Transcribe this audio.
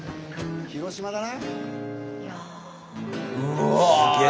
広島だな？